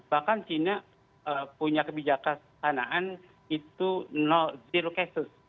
bahkan china punya kebijakan sanaan itu zero casus